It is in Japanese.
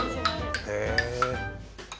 へえ。